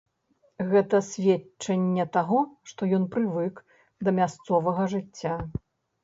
Гэта сведчанне таго, што ён прывык да мясцовага жыцця!